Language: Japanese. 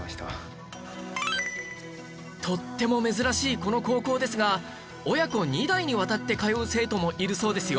とっても珍しいこの高校ですが親子２代にわたって通う生徒もいるそうですよ